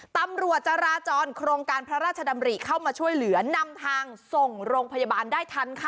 ตำรวจจราจรโครงการพระราชดำริเข้ามาช่วยเหลือนำทางส่งโรงพยาบาลได้ทันค่ะ